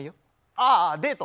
あデート。